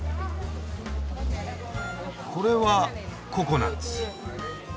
これはココナツ。